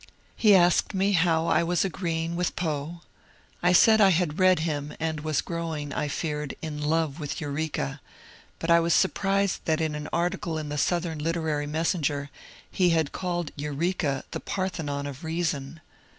He asked me how I was agreeing with l^oe. I said I hiui read him, and was growing, I feared, in love with " Eureka ;" but I was sur prised that in an article in the ^^ Southern Literary Messen ^r " he had called " Eureka " the Parthenon of Reason.